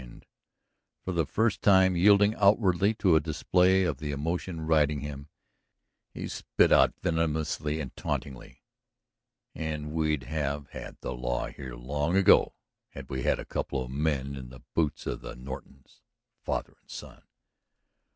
And" for the first time yielding outwardly to a display of the emotion riding him, he spat out venomously and tauntingly "and we'd have had the law here long ago had we had a couple of men in the boots of the Nortons, father and son!"